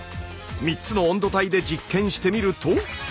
３つの温度帯で実験してみると。